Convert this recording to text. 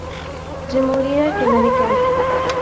جمہوریہ ڈومینیکن